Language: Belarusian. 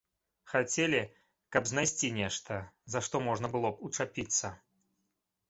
Хацелі, каб знайсці нешта, за што можна было б учапіцца.